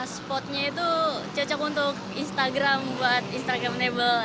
spotnya itu cocok untuk instagram buat instagram label